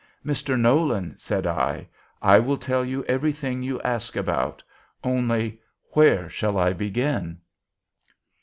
'Mr. Nolan,' said I, 'I will tell you everything you ask about. Only, where shall I begin?'